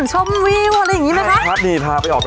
ชอบกิ๊ก